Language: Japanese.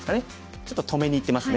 ちょっと止めにいってますね。